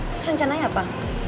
terus rencananya apa